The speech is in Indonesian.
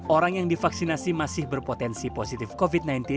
orang yang divaksinasi masih berpotensi positif covid sembilan belas